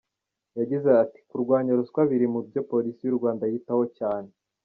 Yagize ati,"Kurwanya ruswa biri mu byo Polisi y’u Rwanda yitaho cyane.